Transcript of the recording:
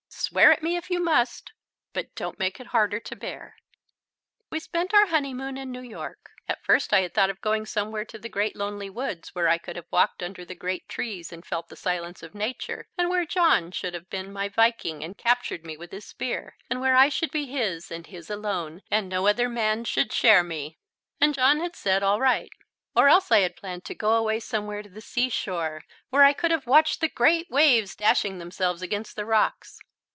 Swear at me if you must, but don't make it harder to bear." We spent our honeymoon in New York. At first I had thought of going somewhere to the great lonely woods, where I could have walked under the great trees and felt the silence of nature, and where John should have been my Viking and captured me with his spear, and where I should be his and his alone and no other man should share me; and John had said all right. Or else I had planned to go away somewhere to the seashore, where I could have watched the great waves dashing themselves against the rocks.